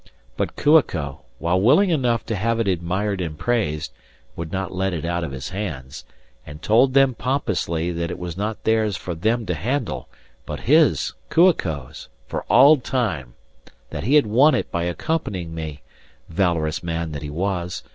But Kua ko, while willing enough to have it admired and praised, would not let it out of his hands, and told them pompously that it was not theirs for them to handle, but his Kua ko's for all time; that he had won it by accompanying me valorous man that he was!